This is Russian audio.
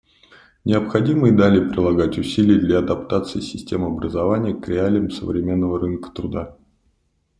Необходимо и далее прилагать усилия для адаптации систем образования к реалиям современного рынка труда.